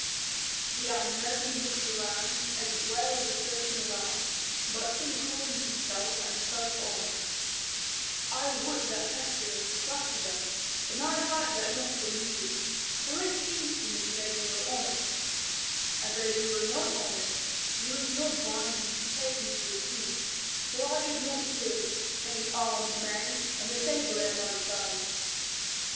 The unknown looked around as it were with a certain alarm, but soon calmed himself and spoke on, "I would that pestilence crushed them, and I hide that not from you, for it seems to me that you are honest; and though you were not honest, you would not bind me and take me to the Swedes, for I should not yield, having armed men, and a sabre at my side."